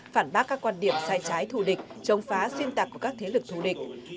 phản bác các quan điểm sai trái thù địch chống phá xuyên tạc của các thế lực thù địch